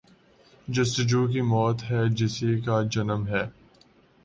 جستجو کی موت بے حسی کا جنم ہے۔